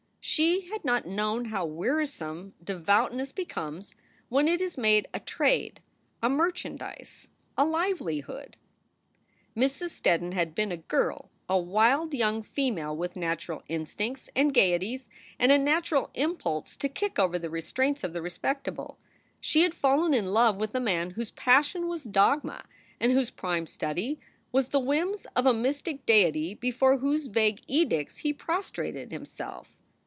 She had not known how weari some devoutness becomes when it is made a trade, a mer chandise, a livelihood. Mrs. Steddon had been a girl, a wild young female with natural instincts and gayeties and a natural impulse to kick over the restraints of the respectable. She had fallen in love with a man whose passion was dogma and whose prime study was the whims of a mystic Deity before whose vague edicts he prostrated himself.